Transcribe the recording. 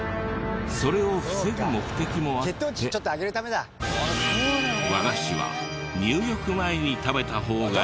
それを防ぐ目的もあって和菓子は入浴前に食べた方がいいんだそうです。